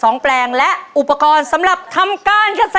แปลงและอุปกรณ์สำหรับทำการเกษตร